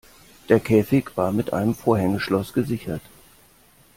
Der Käfig war mit einem Vorhängeschloss gesichert.